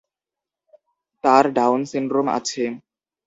তার Down syndrome আছে।